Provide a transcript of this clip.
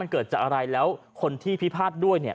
เกิดจากอะไรแล้วคนที่พิพาทด้วยเนี่ย